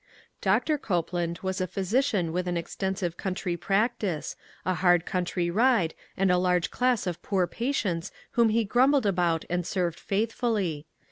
Doctor Copeland was a physician with an extensive country practice, a hard country ride, and a large class of poor pa tients whom he grumbled about and served faithfully.